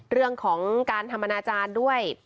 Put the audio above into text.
เรื่องของการทำอนาจารย์ด้วย